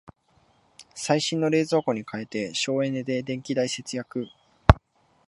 最新の冷蔵庫に替えて省エネで電気代節約